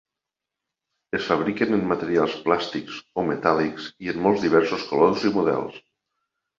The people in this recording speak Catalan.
Es fabriquen en materials plàstics o metàl·lics i en molt diversos colors i models.